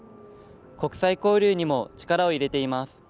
国際交流にも力を入れています。